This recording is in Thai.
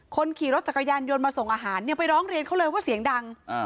คนขี่รถจักรยานยนต์มาส่งอาหารยังไปร้องเรียนเขาเลยว่าเสียงดัง